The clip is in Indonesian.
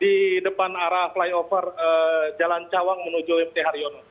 di depan arah flyover jalan cawang menuju mt haryono